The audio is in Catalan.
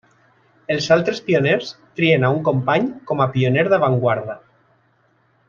Els altres pioners trien a un company com a pioner d'avantguarda.